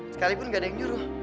sekalipun gak ada yang nyuruh